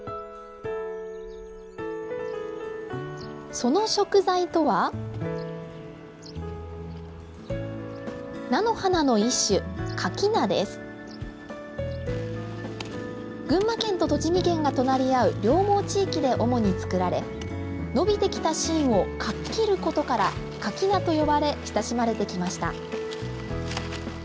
その食材とは菜の花の一種群馬県と栃木県が隣り合う両毛地域で主に作られ伸びてきた芯をかっきることからかき菜と呼ばれ親しまれてきました